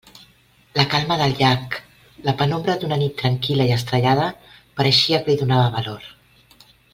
La calma del llac, la penombra d'una nit tranquil·la i estrellada, pareixia que li donava valor.